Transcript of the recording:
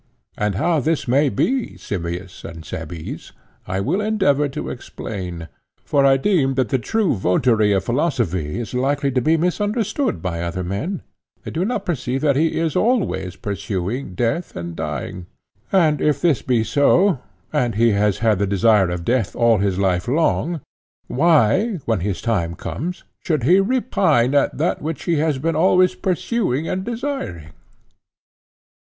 And how this may be, Simmias and Cebes, I will endeavour to explain. For I deem that the true votary of philosophy is likely to be misunderstood by other men; they do not perceive that he is always pursuing death and dying; and if this be so, and he has had the desire of death all his life long, why when his time comes should he repine at that which he has been always pursuing and desiring?